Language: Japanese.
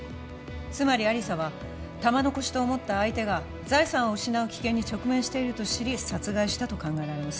つまり亜理紗は玉のこしと思った相手が財産を失う危険に直面していると知り殺害したと考えられます